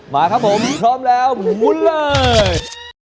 มาครับผมพร้อมแล้วมุนเลย